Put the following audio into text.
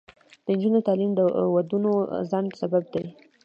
د نجونو تعلیم د ودونو ځنډ سبب دی.